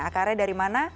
akarnya dari mana